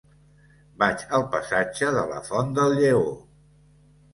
Vaig al passatge de la Font del Lleó.